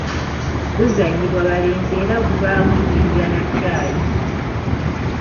Buzannyibwa balenzi era gubaamu jjinja na kyayi.